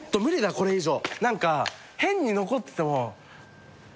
これ以上。